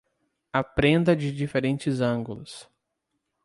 Aprenda de diferentes ângulos